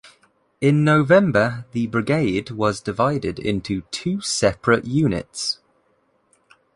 In November the brigade was divided into two separate units.